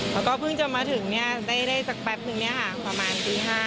แล้วก็พึ่งจะมาถึงเนี่ยได้สักแป๊บนึงเนี่ยค่ะประมาณตี๕